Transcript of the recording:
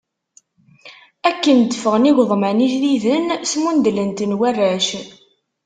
Akken d-ffɣen igeḍman ijdiden, smundlen-ten warrac.